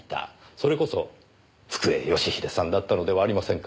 それこそ福栄義英さんだったのではありませんか？